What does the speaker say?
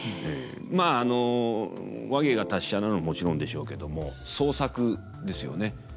まああの話芸が達者なのもちろんでしょうけども創作ですよね。